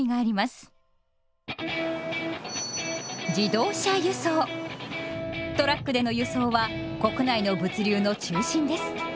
トラックでの輸送は国内の物流の中心です。